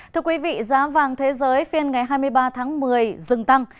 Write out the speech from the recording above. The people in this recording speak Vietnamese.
thưa quý vị giá vàng thế giới phiên ngày hai mươi ba tháng một mươi dừng tăng